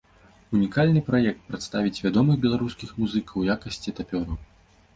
Унікальны праект прадставіць вядомых беларускіх музыкаў у якасці тапёраў.